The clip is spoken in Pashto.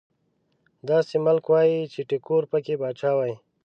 داسې ملک وای چې ټيګور پکې پاچا وای